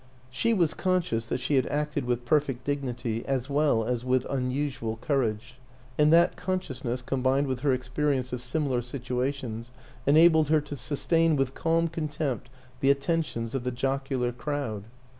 She was conscious that she had acted with perfect dignity as well as with unusual courage and that consciousness, combined with her experience of similar situations, enabled her to sustain with calm contempt the at tentions of the jocular crowd.